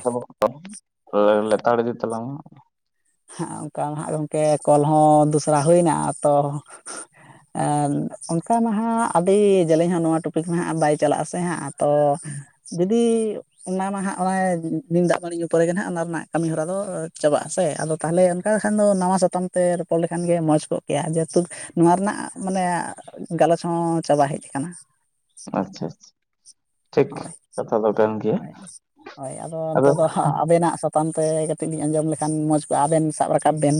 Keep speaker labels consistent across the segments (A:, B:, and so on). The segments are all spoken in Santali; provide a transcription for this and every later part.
A: ᱠᱷᱚᱵᱚᱨ ᱠᱚᱫᱚ ᱞᱮᱛᱟᱲ ᱤᱫᱤ ᱛᱟᱞᱟᱝᱼᱟ
B: ᱦᱮ ᱚᱱᱠᱟ ᱦᱟᱸᱜ ᱜᱚᱢᱠᱮ ᱠᱚᱞ ᱦᱚᱸ ᱫᱚᱥᱨᱟ ᱦᱩᱭᱱᱟ ᱛᱚ ᱚᱱᱠᱟ ᱢᱟ ᱦᱟᱸᱜ ᱟᱹᱰᱤ ᱡᱮᱞᱮᱧ ᱦᱚᱸ ᱱᱚᱣᱟ ᱴᱚᱯᱤᱠ ᱢᱟ ᱦᱟᱸᱜ ᱵᱟᱭ ᱪᱟᱞᱟᱜᱼᱟ ᱥᱮ ᱦᱟᱸᱜ ᱛᱚ ᱡᱩᱫᱤ ᱚᱱᱟ ᱢᱟ ᱦᱟᱸᱜ ᱚᱱᱮ ᱱᱤᱢ ᱫᱟᱜ ᱢᱟᱹᱲᱤ ᱧᱩ ᱯᱚᱨᱮ ᱜᱮ ᱦᱟᱸᱜ ᱚᱱᱟ ᱨᱮᱱᱟᱜ ᱠᱟᱹᱢᱤ ᱦᱚᱨᱟ ᱫᱚ ᱪᱟᱵᱟᱜᱼᱟ ᱥᱮ ᱟᱫᱚ ᱛᱟᱦᱚᱞᱮ ᱚᱱᱠᱟ ᱠᱷᱟᱱ ᱫᱚ ᱱᱟᱣᱟ ᱥᱟᱛᱟᱢ ᱛᱮ ᱨᱚᱯᱚᱲ ᱞᱮᱠᱷᱟᱱ ᱜᱮ ᱢᱚᱡᱽ ᱠᱚᱜ ᱠᱮᱭᱟ ᱡᱮᱦᱮᱛᱩ ᱱᱚᱣᱟ ᱨᱮᱱᱟᱜ ᱢᱟᱱᱮ ᱜᱟᱞᱚᱪ ᱦᱚᱸ ᱪᱟᱵᱟ ᱦᱮᱡ ᱟᱠᱟᱱᱟ᱾
A: ᱟᱪᱪᱷᱟ ᱟᱪᱪᱷᱟ ᱴᱷᱤᱠ
B: ᱦᱳᱭ
A: ᱠᱟᱛᱷᱟ ᱫᱚ ᱠᱟᱱ ᱜᱮᱭᱟ
B: ᱦᱳᱭ ᱦᱳᱭ
A: ᱟᱫᱚ
B: ᱱᱤᱛᱚᱜ ᱫᱚ ᱟᱵᱮᱱᱟᱜ ᱥᱟᱛᱟᱢ ᱛᱮ ᱠᱟᱹᱴᱤᱡ ᱞᱤᱧ ᱟᱸᱡᱚᱢ ᱞᱮᱠᱷᱟᱱ ᱢᱚᱡᱽ ᱠᱚᱜᱼᱟ ᱟᱵᱮᱱ ᱥᱟᱵ ᱨᱟᱠᱟᱵ ᱵᱮᱱ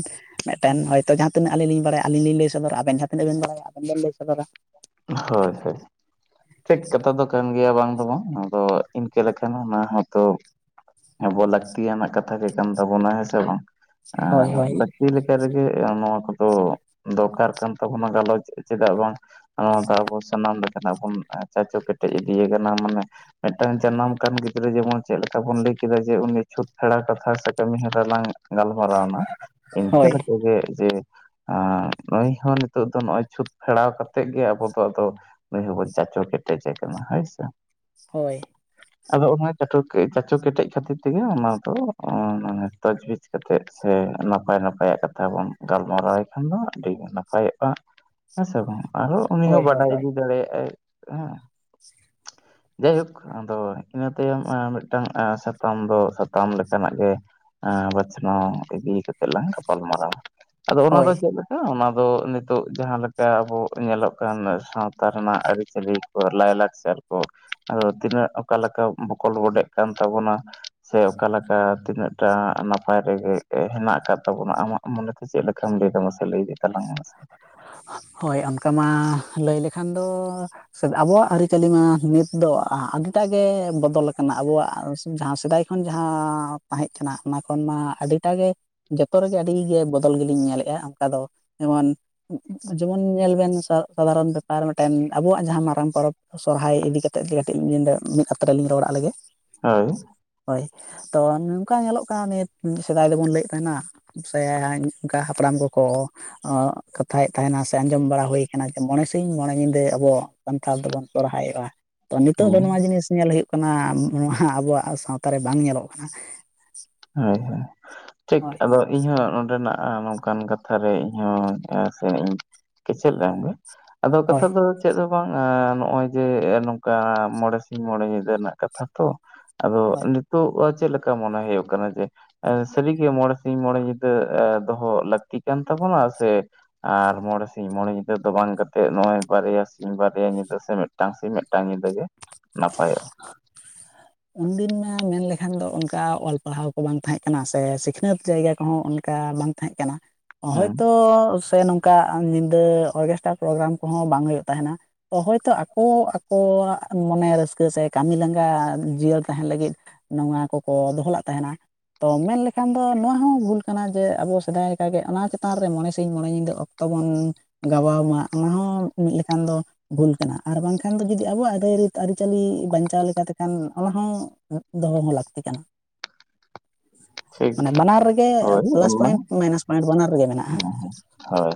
B: ᱢᱮᱫᱴᱮᱱ ᱦᱚᱭᱛᱚ ᱡᱟᱦᱟᱸ ᱛᱤᱱᱟᱹᱜ ᱟᱹᱞᱤᱧ ᱞᱤᱧ ᱵᱟᱲᱟᱭᱟ ᱟᱹᱞᱤᱧ ᱞᱤᱧ ᱞᱟᱹᱭ ᱥᱚᱫᱚᱨ ᱟᱵᱮᱱ ᱡᱟᱦᱟᱸ ᱛᱤᱱᱟᱹᱜ ᱵᱮᱱ ᱵᱟᱲᱟᱭ ᱟᱵᱮᱱ ᱵᱮᱱ ᱞᱟᱹᱭ ᱥᱚᱫᱚᱨᱟ
A: ᱦᱳᱭ ᱦᱳᱭ ᱴᱷᱤᱠ ᱠᱟᱛᱷᱟ ᱫᱚ ᱠᱟᱱ ᱜᱮᱭᱟ ᱵᱟᱝ ᱫᱚ ᱵᱟᱝ ᱱᱚᱣᱟ ᱫᱚ ᱤᱱᱠᱟᱹ ᱞᱮᱠᱷᱟᱱ ᱚᱱᱟ ᱦᱚᱸᱛᱚ ᱟᱵᱚ ᱞᱟᱹᱠᱛᱤᱭᱟᱱᱟᱜ ᱠᱟᱛᱷᱟ ᱜᱮ ᱠᱟᱱ ᱛᱟᱵᱚᱱᱟ ᱦᱮᱸ ᱥᱮ ᱵᱟᱝ?
B: ᱦᱳᱭ ᱦᱳᱭ
A: ᱪᱮ ᱞᱮᱠᱟ ᱨᱮᱜᱮ ᱱᱚᱣᱟ ᱠᱚᱫᱚ ᱫᱚᱨᱠᱟᱨ ᱠᱟᱱ ᱛᱟᱵᱚᱱᱟ ᱜᱟᱞᱚᱪ ᱪᱮᱫᱟᱜ ᱵᱟᱝ ᱱᱚᱣᱟ ᱫᱚ ᱟᱵᱚ ᱥᱟᱱᱟᱢ ᱞᱮᱠᱟᱱᱟᱜ ᱵᱚᱱ ᱪᱟᱪᱳ ᱠᱮᱴᱮᱡ ᱤᱫᱤᱭᱮ ᱠᱟᱱᱟ ᱢᱟᱱᱮ ᱢᱤᱫᱴᱟᱝ ᱡᱟᱱᱟᱢ ᱠᱟᱱ ᱜᱤᱫᱽᱨᱟᱹ ᱡᱮᱢᱚᱱ ᱪᱮᱫ ᱞᱮᱠᱟ ᱵᱚᱱ ᱞᱟᱹᱭ ᱠᱮᱫᱟ ᱡᱮ ᱩᱱᱤ ᱪᱷᱩᱸᱛ ᱯᱷᱮᱲᱟ ᱠᱟᱛᱷᱟ ᱥᱮ ᱠᱟᱹᱢᱤ ᱦᱚᱨᱟ ᱞᱟᱝ ᱜᱟᱞᱢᱟᱨᱟᱣᱱᱟ ᱤᱱᱠᱟᱹ
B: ᱦᱳᱭ
A: ᱠᱟᱛᱮ ᱜᱮ ᱡᱮ ᱟᱨ ᱱᱩᱭ ᱦᱚᱸ ᱱᱤᱛᱚᱜ ᱫᱚ ᱱᱚᱜᱼᱚᱭ ᱪᱷᱩᱸᱛ ᱯᱷᱮᱲᱟᱣ ᱠᱟᱛ ᱛᱮᱜ ᱜᱮ ᱟᱵᱚ ᱫᱚ ᱟᱫᱚ ᱱᱩᱭ ᱦᱚᱸᱵᱚᱱ ᱪᱟᱪᱚ ᱠᱮᱴᱮᱡᱮ ᱠᱟᱱᱟ ᱦᱳᱭ ᱥᱮ
B: ᱦᱳᱭ
A: ᱟᱫᱚ ᱚᱱᱟ [unintelligible] ᱪᱟᱪᱚ ᱠᱮᱴᱮᱡ ᱠᱷᱟᱹᱛᱤᱨ ᱛᱮᱜᱮ ᱚᱱᱟ ᱫᱚ [unintelligible] ᱠᱟᱛᱮᱫ ᱥᱮ ᱱᱟᱯᱟᱭ ᱱᱟᱯᱟᱭᱟᱜ ᱠᱟᱛᱷᱟ ᱵᱚᱱ ᱜᱟᱞᱢᱟᱨᱟᱣᱮ ᱠᱷᱟᱱ ᱫᱚ ᱟᱹᱰᱤ ᱱᱟᱯᱟᱭᱚᱜᱼᱟ᱾ ᱦᱮᱸ ᱥᱮ ᱵᱟᱝ ᱟᱨᱦᱚᱸ ᱩᱱᱤ
B: ᱦᱳᱭ
A: ᱦᱚᱸ
B: ᱦᱳᱭ
A: ᱵᱟᱰᱟᱭ
B: ᱦᱳᱭ
A: ᱤᱫᱤ ᱫᱟᱲᱮᱭᱟᱜᱼᱟᱭ ᱦᱮᱸ ᱡᱟᱭ ᱦᱳᱠ ᱟᱫᱚ ᱤᱱᱟᱹ ᱛᱟᱭᱚᱢ ᱢᱤᱫᱴᱟᱝ ᱥᱟᱛᱟᱢ ᱫᱚ ᱥᱟᱛᱟᱢ ᱞᱮᱠᱟᱱᱟᱜ ᱜᱮ ᱟ ᱵᱟᱪᱷᱱᱟᱣ ᱤᱫᱤ ᱠᱟᱛᱮ ᱞᱟᱝ ᱜᱟᱯᱟᱞ ᱢᱟᱨᱟᱣᱟ᱾ ᱟᱫᱚ ᱚᱱᱟ
B: ᱦᱳᱭ
A: ᱫᱚ ᱪᱮᱫ ᱞᱮᱠᱟ ᱚᱱᱟ ᱫᱚ ᱱᱤᱛᱚᱜ ᱡᱟᱦᱟᱸ ᱞᱮᱠᱟ ᱟᱵᱚ ᱧᱮᱞᱚᱜ ᱠᱟᱱ ᱥᱟᱶᱛᱟ ᱨᱮᱱᱟᱜ ᱟᱹᱨᱤᱪᱟᱹᱞᱤ ᱠᱚ ᱞᱟᱭ ᱞᱟᱠᱪᱟᱨ ᱠᱚ ᱟᱫᱚ ᱛᱤᱱᱟᱹᱜ ᱚᱠᱟ ᱞᱮᱠᱟ ᱵᱚᱠᱚᱞ ᱵᱚᱰᱮᱜ ᱠᱟᱱ ᱛᱟᱵᱚᱱᱟ ᱥᱮ ᱚᱠᱟᱞᱮᱠᱟ ᱛᱤᱱᱟᱹᱜᱴᱟ ᱱᱟᱯᱟᱭ ᱨᱮᱜᱮ ᱦᱮᱱᱟᱜ ᱟᱠᱟᱫ ᱛᱟᱵᱚᱱᱟ ᱟᱢᱟᱜ ᱢᱚᱱᱮᱛᱮ ᱪᱮᱫ ᱞᱮᱠᱟᱢ ᱞᱟᱹᱭ ᱫᱟ ᱢᱟᱥᱮ ᱞᱟᱹᱭ ᱤᱫᱤ ᱛᱟᱞᱟᱝ ᱢᱮᱥᱮ?
B: ᱦᱳᱭ ᱚᱱᱠᱟ ᱢᱟ ᱞᱟᱹᱭ ᱞᱮᱠᱷᱟᱱ ᱫᱚ ᱟᱵᱚᱣᱟᱜ ᱟᱹᱨᱤ ᱪᱟᱹᱞᱤ ᱢᱟ ᱱᱤᱛ ᱫᱚ ᱟᱹᱰᱤᱴᱟᱜ ᱜᱮ ᱵᱚᱫᱚᱞ ᱟᱠᱟᱱᱟ ᱟᱵᱚᱣᱟᱜ ᱡᱟᱦᱟᱸ ᱥᱮᱫᱟᱭ ᱠᱷᱚᱱ ᱡᱟᱦᱟᱸ ᱛᱟᱦᱮᱸᱫ ᱠᱟᱱᱟ ᱚᱱᱟ ᱠᱷᱚᱱ ᱢᱟ ᱟᱹᱰᱤᱴᱟ ᱜᱮ ᱡᱚᱛᱚ ᱨᱮᱜᱮ ᱟᱹᱰᱤᱜᱮ ᱵᱚᱫᱚᱞ ᱜᱮᱞᱤᱧ ᱧᱮᱞᱮᱫᱼᱟ ᱚᱱᱠᱟ ᱫᱚ ᱡᱮᱢᱚᱱ ᱡᱮᱢᱚᱱ ᱧᱮᱞ ᱵᱮᱱ ᱥᱟᱫᱷᱟᱨᱚᱱ ᱵᱮᱯᱟᱨ ᱢᱤᱫᱴᱮᱱ ᱟᱵᱚᱣᱟᱜ ᱡᱟᱦᱟᱸ ᱢᱟᱨᱟᱝ ᱯᱚᱨᱚᱵᱽ ᱥᱚᱨᱦᱟᱭ ᱤᱫᱤ ᱠᱟᱛᱮᱜ ᱜᱮ ᱠᱟᱹᱴᱤᱡ [unintelligible] ᱢᱤᱫ ᱟᱛᱨᱮ ᱞᱤᱧ ᱨᱚᱲᱟᱜ ᱞᱮᱜᱮ᱾
A: ᱦᱳᱭ᱾
B: ᱦᱳᱭ ᱛᱚ ᱱᱚᱝᱠᱟ ᱧᱮᱞᱚᱜ ᱠᱟᱱᱟ ᱱᱤᱭᱟᱹ ᱥᱮᱫᱟᱭ ᱫᱚᱵᱚᱱ ᱞᱟᱹᱭᱮᱫ ᱛᱟᱸᱦᱮᱱᱟ, [unintelligible] ᱚᱱᱠᱟ ᱦᱟᱯᱲᱟᱢ ᱠᱚᱠᱚ ᱚ ᱠᱟᱛᱷᱟᱭᱮᱫ ᱛᱟᱦᱮᱱᱟ ᱥᱮ ᱟᱸᱡᱚᱢ ᱵᱟᱲᱟ ᱦᱩᱭ ᱠᱟᱱᱟ ᱡᱮ ᱢᱚᱬᱮ ᱥᱤᱧ ᱢᱚᱬᱮ ᱧᱤᱫᱟᱹ ᱟᱵᱚ ᱥᱟᱱᱛᱷᱟᱲ ᱫᱚᱵᱚᱱ ᱥᱚᱨᱦᱟᱭᱚᱜᱼᱟ᱾ ᱛᱚ ᱱᱤᱛᱚᱜ ᱫᱚ
A: ᱦᱳᱭ
B: ᱱᱚᱣᱟ ᱡᱤᱱᱤᱥ ᱧᱮᱞ ᱦᱩᱭᱩᱜ ᱠᱟᱱᱟ ᱱᱚᱣᱟ ᱟᱵᱚᱣᱟᱜ ᱥᱟᱶᱛᱟ ᱨᱮ ᱵᱟᱝ ᱧᱮᱞᱚᱜ ᱠᱟᱱᱟ?
A: ᱦᱳᱭ ᱦᱳᱭ ᱴᱷᱤᱠ
B: ᱦᱳᱭ
A: ᱟᱫᱚ ᱤᱧ ᱦᱚᱸ ᱱᱚᱸᱰᱮᱱᱟᱜ ᱟᱨ ᱱᱚᱝᱠᱟᱱ ᱠᱟᱛᱷᱟ ᱨᱮ ᱤᱧ ᱦᱚᱸ ᱥᱮ ᱤᱧ ᱠᱮᱪᱮᱫ ᱞᱮᱢ ᱜᱮ ᱟᱫᱚ
B: ᱦᱳᱭ
A: ᱠᱟᱛᱷᱟ ᱫᱚ ᱪᱮᱫ ᱫᱚ ᱵᱟᱝ ᱱᱚᱜᱼᱚᱭ ᱡᱮ ᱱᱚᱝᱠᱟ ᱢᱚᱬᱮ ᱥᱤᱧ ᱢᱚᱬᱮ ᱧᱤᱫᱟᱹ ᱨᱮᱱᱟᱜ ᱠᱟᱛᱷᱟ ᱛᱚ ᱟᱫᱚ
B: ᱦᱳᱭ
A: ᱱᱤᱛᱳᱜ ᱪᱮᱫ ᱞᱮᱠᱟ ᱢᱚᱱᱮ ᱦᱳᱭᱳᱜ ᱠᱟᱱᱟ ᱡᱮ ᱥᱟᱹᱨᱤᱜᱮ ᱢᱚᱬᱮ ᱥᱤᱧ ᱢᱚᱬᱮ ᱧᱤᱫᱟᱹ ᱫᱚᱦᱚ ᱞᱟᱹᱠᱛᱤ ᱠᱟᱱ ᱛᱟᱵᱚᱱᱟ ᱥᱮ? ᱟᱨ ᱢᱚᱬᱮ ᱥᱤᱧ ᱢᱚᱬᱮ ᱧᱤᱫᱟᱹ ᱫᱚ ᱵᱟᱝ ᱠᱟᱛᱮᱜ ᱱᱚᱜᱼᱚᱭ ᱵᱟᱨᱭᱟ ᱥᱤᱧ ᱵᱟᱨᱭᱟ ᱧᱤᱫᱟᱹ ᱥᱮ ᱢᱤᱫ ᱢᱤᱫᱴᱟᱝ ᱥᱤᱧ ᱢᱤᱫᱴᱟᱝ ᱧᱤᱫᱟᱹ ᱜᱮ ᱱᱟᱯᱟᱭᱚᱜᱼᱟ᱾
B: ᱩᱱᱫᱤᱱ ᱢᱟ ᱢᱮᱱ ᱞᱮᱠᱷᱟᱱ ᱫᱚ ᱚᱱᱠᱟ ᱚᱞ ᱯᱟᱲᱦᱟᱣ ᱠᱚ ᱵᱟᱝ ᱛᱟᱦᱮᱸ ᱠᱟᱱᱟ, ᱥᱮ ᱥᱤᱠᱷᱱᱟᱹᱛ ᱡᱟᱭᱜᱟ ᱠᱚᱦᱚᱸ ᱚᱱᱠᱟ ᱵᱟᱝ ᱛᱟᱦᱮᱸ ᱠᱟᱱᱟ,
A: ᱦᱮᱸ
B: ᱦᱳᱭᱛᱚ ᱥᱮ ᱱᱚᱝ ᱠᱟ ᱧᱤᱫᱟᱹ ᱚᱨᱜᱮᱥᱴᱟᱨ ᱯᱨᱳᱜᱨᱟᱢ ᱠᱚᱦᱚᱸ ᱵᱟᱝ ᱦᱩᱭᱩᱜ ᱛᱟᱸᱦᱮᱱᱟ᱾ ᱚ ᱦᱳᱭᱛᱳ ᱟᱠᱚ ᱟᱠᱚᱣᱟᱜ ᱢᱚᱱᱮ ᱨᱟᱹᱥᱠᱟᱹ ᱥᱮ ᱠᱟᱹᱢᱤ ᱞᱟᱸᱜᱟ ᱡᱤᱭᱟᱹᱲ ᱛᱟᱦᱮᱱ ᱞᱟᱹᱜᱤᱫ, ᱱᱚᱣᱟ ᱠᱚᱠᱚ ᱫᱚᱦᱚᱞᱟᱜ ᱛᱟᱦᱮᱱᱟ᱾ ᱛᱚ ᱢᱮᱱ ᱞᱮᱠᱷᱟᱱ ᱫᱚ ᱱᱚᱣᱟ ᱦᱚᱸ ᱵᱷᱩᱞ ᱠᱟᱱᱟ ᱡᱮ ᱟᱵᱚ ᱥᱮᱫᱟᱭ ᱞᱮᱠᱟᱜᱮ ᱚᱱᱟ ᱪᱮᱛᱟᱱ ᱨᱮ ᱢᱚᱬᱮ ᱥᱤᱧ ᱢᱚᱬᱮ ᱧᱤᱫᱟᱹ ᱛᱚᱵᱚᱱ ᱜᱟᱵᱟᱣ ᱢᱟ ᱚᱱᱟ ᱦᱚᱸ ᱢᱤᱫ ᱞᱮᱠᱷᱟᱱ ᱫᱚ ᱵᱷᱩᱞ ᱠᱟᱱᱟ ᱟᱨ ᱵᱟᱝᱠᱷᱟᱱ ᱫᱚ ᱡᱩᱫᱤ ᱟᱵᱚᱣᱟᱜ ᱨᱟᱹᱭᱨᱤᱛ ᱟᱹᱨᱤᱪᱟᱹᱞᱤ ᱵᱟᱧᱪᱟᱣ ᱞᱮᱠᱟ ᱛᱮᱠᱷᱟᱱ ᱚᱱᱟ ᱦᱚᱸ ᱫᱚᱦᱚ ᱦᱚᱸ ᱞᱟᱹᱠᱛᱤ ᱠᱟᱱᱟ᱾
A: ᱴᱷᱤᱠ
B: ᱢᱟᱱᱮ ᱵᱟᱱᱟᱨ ᱨᱮᱜᱮ
A: ᱦᱳᱭ
B: ᱯᱞᱟᱥ
A: ᱚᱱᱟ ᱦᱮᱸ
B: ᱯᱚᱭᱮᱱᱴ, ᱢᱟᱭᱱᱟᱥ ᱯᱚᱭᱮᱱᱴ, ᱵᱟᱱᱟᱨ ᱨᱮᱜᱮ ᱢᱮᱱᱟᱜᱼᱟ᱾
A: ᱦᱳᱭ᱾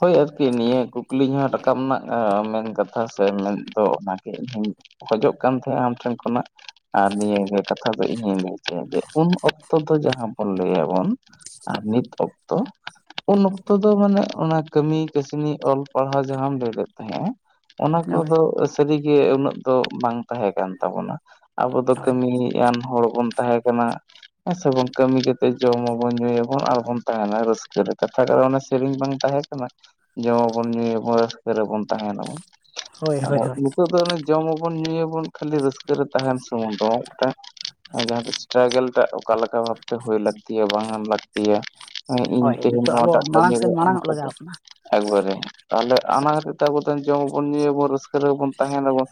A: ᱦᱳᱭ ᱟᱨᱠᱤ ᱱᱤᱭᱟᱹ ᱠᱩᱠᱞᱤ ᱡᱟᱦᱟᱸ ᱨᱟᱠᱟᱵ ᱨᱮᱱᱟᱜ ᱢᱮᱱ ᱠᱟᱛᱷᱟ ᱥᱮ ᱢᱮᱱ ᱫᱚ ᱚᱱᱟᱜᱮ ᱤᱧᱦᱩᱧ ᱠᱷᱚᱡᱚᱜ ᱠᱟᱱ ᱛᱟᱦᱮᱸᱜ-ᱟ ᱟᱢ ᱴᱷᱮᱱ ᱠᱷᱚᱱᱟᱜ, ᱟᱨ ᱱᱤᱭᱟᱹᱜᱮ ᱠᱟᱛᱷᱟ ᱫᱚ ᱤᱧᱤᱧ ᱞᱟᱹᱭ ᱦᱚᱪᱚᱭᱟ ᱡᱮ ᱩᱱ ᱚᱠ ᱚᱠᱛᱚ ᱫᱚ ᱡᱟᱦᱟᱸ ᱵᱚᱱ ᱞᱟᱹᱭᱟᱵᱚᱱ ᱟᱨ ᱱᱤᱛ ᱚᱠᱛᱚ ᱩᱱ ᱚᱠᱛᱚ ᱫᱚ ᱢᱟᱱᱮ ᱚᱱᱟ ᱠᱟᱹᱢᱤ ᱠᱟᱹᱥᱱᱤ ᱚᱞ ᱯᱟᱲᱦᱟᱣ ᱡᱟᱦᱟᱸᱢ ᱞᱟᱹᱭ ᱞᱮᱫ ᱛᱟᱦᱮᱸᱜ-ᱟ ᱚᱱᱟ
B: ᱦᱳᱭ
A: ᱠᱚᱫᱚ ᱥᱟᱹᱨᱤᱜᱮ ᱩᱱᱟᱹᱜ ᱫᱚ ᱵᱟᱝ ᱛᱟᱦᱮᱸ ᱠᱟᱱ ᱛᱟᱵᱚᱱᱟ ᱟᱵᱚ ᱫᱚ
B: ᱦᱳᱭ
A: ᱠᱟᱹᱢᱤᱭᱤᱡ ᱟᱱ ᱦᱚᱲ ᱵᱚᱱ ᱛᱟᱦᱮᱸ ᱠᱟᱱᱟ᱾ ᱦᱮᱸ ᱥᱮ ᱵᱟᱝ ᱠᱟᱹᱢᱤ ᱠᱟᱛᱮᱜ ᱡᱚᱢᱟᱵᱚᱱ ᱧᱩᱭᱟᱵᱚᱱ ᱟᱨᱵᱚᱱ ᱛᱟᱦᱮᱱᱟ ᱨᱟᱹᱥᱠᱟᱹ ᱨᱮ ᱠᱟᱛᱷᱟ ᱠᱟᱱᱟ ᱥᱮ ᱥᱮᱨᱮᱧ ᱵᱟᱝ ᱛᱟᱦᱮᱸ ᱠᱟᱱᱟ ᱡᱚᱢ ᱢᱟᱵᱚᱱ ᱧᱩᱭᱟ ᱵᱚᱱ ᱨᱟᱹᱥᱠᱟᱹ ᱨᱮᱵᱚᱱ ᱛᱟᱦᱮᱱᱟᱵᱚᱱ
B: ᱦᱳᱭ ᱦᱳᱭ
A: ᱟᱫᱚ
B: ᱦᱳᱭ
A: ᱱᱤᱛᱚᱜ ᱫᱚ ᱚᱱᱮ ᱡᱚᱢ ᱟᱵᱚᱱ ᱧᱩᱭᱟᱵᱚᱱ ᱠᱷᱟᱹᱞᱤ ᱨᱟᱹᱥᱠᱟᱹ ᱨᱮ ᱛᱟᱦᱮᱱ ᱥᱩᱢᱩᱝ ᱫᱚ ᱢᱤᱫᱴᱟᱝ ᱟᱨ ᱡᱟᱦᱟᱸ ᱛᱤᱥ ᱮᱥᱴᱨᱟᱜᱟᱹᱞ ᱴᱟᱜ ᱚᱠᱟ ᱞᱮᱠᱟ ᱵᱷᱟᱵᱛᱮ ᱦᱩᱭ ᱞᱟᱹᱠᱛᱤᱭᱟ ᱵᱟᱝ ᱮᱢ ᱞᱟᱹᱠᱛᱤᱭᱟ ᱦᱮᱸ ᱤᱧ
B: ᱦᱳᱭ
A: ᱛᱮᱦᱮᱧ
B: ᱱᱤᱛᱚᱜ ᱟᱵᱚ
A: ᱱᱚᱣᱟᱴᱟᱜ ᱠᱟᱹᱢᱤ
B: ᱢᱟᱲᱟᱝ ᱥᱮᱱ
A: ᱨᱮ
B: ᱢᱟᱲᱟᱝᱚᱜ
A: ᱚᱱᱠᱟ ᱫᱚ
B: ᱞᱟᱜᱟᱣ ᱵᱚᱱᱟ
A: ᱮᱠᱵᱟᱨᱮ ᱛᱟᱦᱞᱮ ᱟᱱᱟ ᱠᱷᱟᱹᱛᱤᱨ ᱛᱮ ᱟᱵᱚ ᱫᱚ ᱡᱚᱢᱟ ᱵᱚᱱ ᱧᱩᱭᱟ ᱵᱚᱱ ᱨᱟᱹᱥᱠᱟᱹ ᱨᱮ ᱵᱚᱱ ᱛᱟᱦᱮᱱᱟᱵᱚᱱ